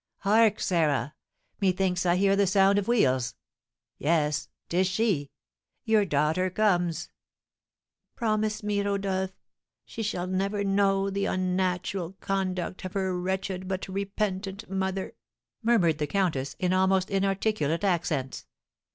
"Hark, Sarah! Methinks I hear the sound of wheels. Yes, 'tis she, your daughter comes!" "Promise me, Rodolph, she shall never know the unnatural conduct of her wretched but repentant mother," murmured the countess, in almost inarticulate accents.